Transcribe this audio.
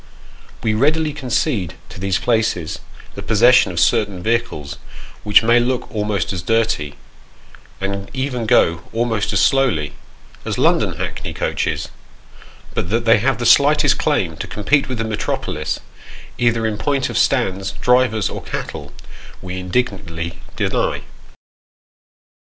We readily concede to these places, the possession of certain vehicles, which may look almost as dirty, and even go almost as slowly, as London hackney coaches : but that they have the slightest claim to compete with the metropolis, either in point of stands, drivers, or cattle, we indignantly deny.